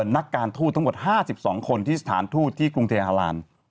นักการทูตทั้งหมด๕๒คนที่สถานทูตที่กรุงเทพฮาลาน